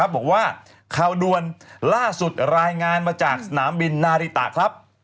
บอกว่าข่าวด่วนล่าสุดรายงานมาจากสนามบินนาริตะครับ